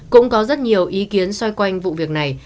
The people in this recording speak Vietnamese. cũng có rất nhiều ý kiến xoay quanh vụ việc này